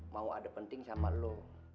mau ada penting sama lo